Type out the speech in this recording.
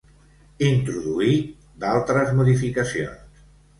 Introduí d'altres modificacions.